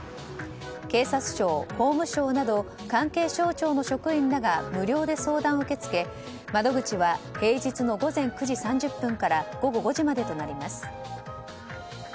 警察庁、法務省など関係省庁の職員らが無料で相談を受け付け窓口は平日の午前９時３０分から午後５時までとなります。